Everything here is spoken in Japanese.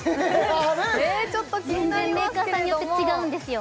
あれ全然メーカーさんによって違うんですよ